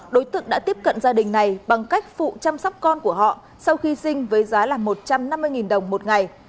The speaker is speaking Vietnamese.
đối tượng đã tiếp cận gia đình này bằng cách phụ chăm sóc con của họ sau khi sinh với giá là một trăm năm mươi đồng một ngày